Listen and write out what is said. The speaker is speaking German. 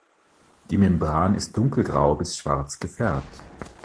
Die Membran ist dunkelgrau bis schwarz gefärbt.